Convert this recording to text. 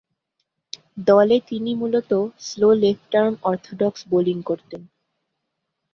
দলে তিনি মূলতঃ স্লো লেফট-আর্ম অর্থোডক্স বোলিং করতেন।